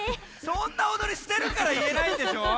そんなおどりしてるからいえないんでしょ。